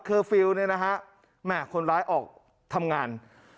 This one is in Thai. เคอร์ฟิลล์เนี่ยนะฮะคนร้ายออกทำงาน